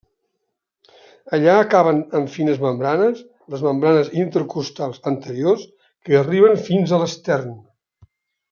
Allà acaben en fines membranes –les membranes intercostals anteriors–, que arriben fins a l'estern.